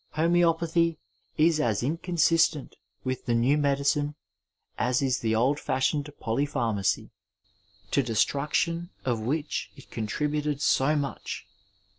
Homoeopathy is as inconsistent with the new medicine as is the old fashioned polypharmacy, to destruc lion of which it contributed so much.